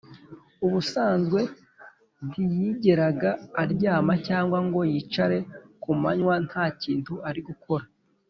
ubusanzwe ntiyigeraga aryama cyangwa ngo yicare ku manywa nta kintu ari gukora,